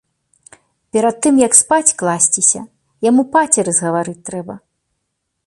Перад тым як спаць класціся, яму пацеры згаварыць трэба.